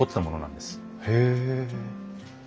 へえ。